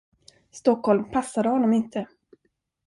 Stockholm passade honom inte.